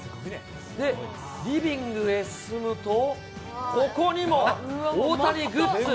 リビングへ進むと、ここにも大谷グッズ。